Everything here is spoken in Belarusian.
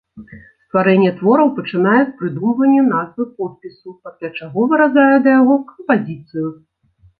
Стварэнне твораў пачынае з прыдумвання назвы-подпісу, пасля чаго выразае да яго кампазіцыю.